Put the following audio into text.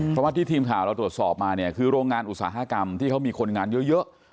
เพราะว่าที่ทีมข่าวเราตรวจสอบมาเนี่ยคือโรงงานอุตสาหกรรมที่เขามีคนงานเยอะ